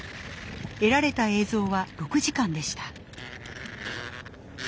得られた映像は６時間でした。